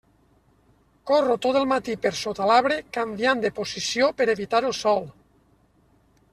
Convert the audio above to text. Corro tot el matí per sota l'arbre canviant de posició per evitar el sol.